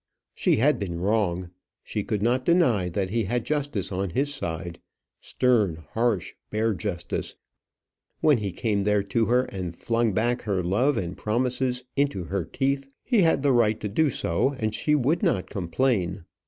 She had been wrong. She could not deny that he had justice on his side stern, harsh, bare justice when he came there to her and flung back her love and promises into her teeth. He had the right to do so, and she would not complain.